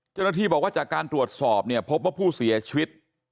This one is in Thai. เจ้าหน้าที่บอกว่าจากการตรวจสอบเนี่ยพบว่าผู้เสียชีวิต